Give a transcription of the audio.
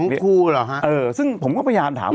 ของครูหรอฮะเออซึ่งผมก็พยายามถามว่า